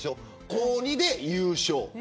高２で優勝。